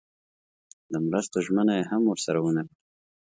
د مرستو ژمنه یې هم ورسره ونه کړه.